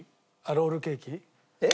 えっ？